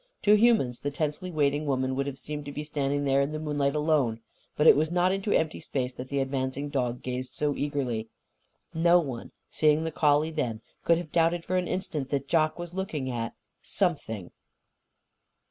To humans, the tensely waiting woman would have seemed to be standing there in the moonlight, alone. But it was not into empty space that the advancing dog gazed so eagerly. No one, seeing the collie then, could have doubted for an instant that Jock was looking at _Something!